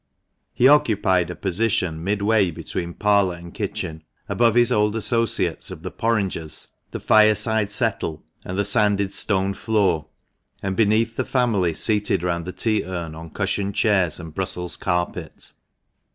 He occupied a position midway between parlour and kitchen — above his old associates of the porringers, the fireside settle, and the sanded stone floor, and beneath the family seated round the tea urn on cushioned chairs and Brussels carpet.